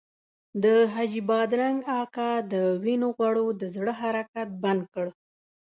د حاجي بادرنګ اکا د وینو غوړو د زړه حرکت بند کړ.